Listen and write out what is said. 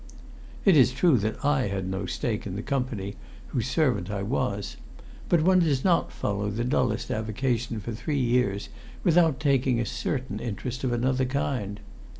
It is true that I had no stake in the Company whose servant I was; but one does not follow the dullest avocation for three years without taking a certain interest of another kind.